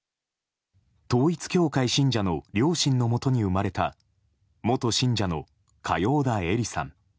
統一教会信者の両親のもとに生まれた元信者の嘉陽田恵利さん。